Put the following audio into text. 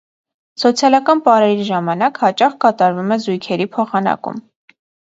Սոցիալական պարերի ժամանակ հաճախ կատարվում է զույգերի փոխանակում։